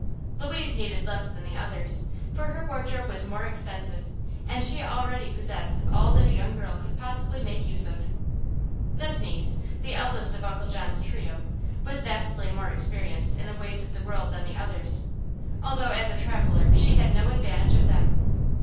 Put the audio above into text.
Louise needed less than the others, for her wardrobe was more extensive and she already possessed all that a young girl could possibly make use of. This niece, the eldest of Uncle John's trio, was vastly more experienced in the ways of the world than the others, although as a traveller she had no advantage of them.